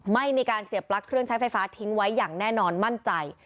ไม่มีการเสียบปลั๊กเครื่องใช้ไฟฟ้าทิ้งไว้อย่างแน่นอนมั่นใจ